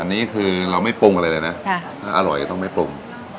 อันนี้คือเราไม่ปรุงอะไรเลยนะถ้าอร่อยจะต้องไม่ปรุง